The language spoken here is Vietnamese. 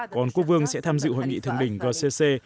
còn quốc vương sẽ tham dự hội nghị thượng đỉnh gcc